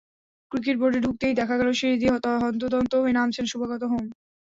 Cricket বোর্ডে ঢুকতেই দেখা গেল সিঁড়ি দিয়ে হন্তদন্ত হয়ে নামছেন শুভাগত হোম।